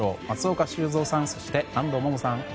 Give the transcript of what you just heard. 松岡修造さんそして安藤萌々さん。